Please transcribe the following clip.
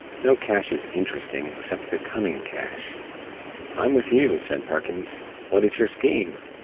No cash is interesting except the coming cash." "I'm with you," said Perkins, "what is your scheme?"